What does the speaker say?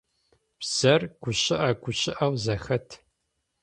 Бзэр гущыӏэ гущыӏэу зэхэт.